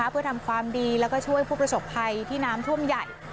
เพื่อทำความดีแล้วก็ช่วยผู้ประสบภัยที่น้ำท่วมใหญ่